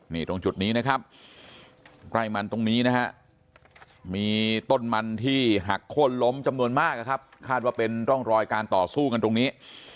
นี่ตรงจุดนี้นะครับไร่มันตรงนี้นะฮะมีต้นมันที่หักโค้นล้มจำนวนมากนะครับคาดว่าเป็นร่องรอยการต่อสู้กันตรงนี้